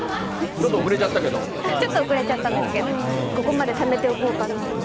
ちょっと遅れちゃったんですけどここまでためておこうかなと。